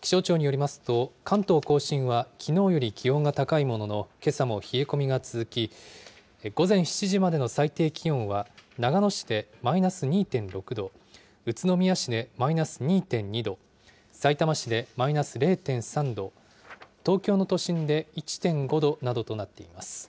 気象庁によりますと、関東甲信はきのうより気温が高いものの、けさも冷え込みが続き、午前７時までの最低気温は、長野市でマイナス２．６度、宇都宮市でマイナス２．２度、さいたま市でマイナス０．３度、東京の都心で１．５度などとなっています。